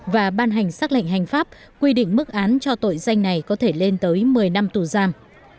và ban hành xác lệnh hành pháp quy định mức án cho tội danh này có thể lên tới một mươi năm tù giam